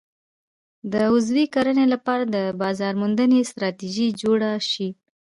د عضوي کرنې لپاره د بازار موندنې ستراتیژي جوړه شي.